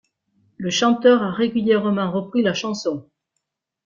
Le chanteur a régulièrement repris la chanson...